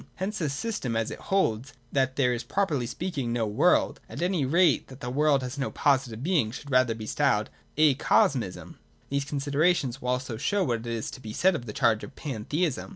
Hence his system, as it holds that there is properly speaking no world, at any rate that the world has no positive being, should rather be styled Acosmism. These considerations will also show what is to be said of the charge of Pantheism.